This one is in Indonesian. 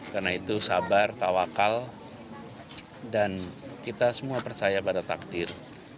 karena itu sabar tawakal dan kita semua percaya pada takdir